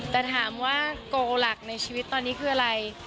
แต่ถามว่าโกหลักในชีวิตตอนนี้คืออะไร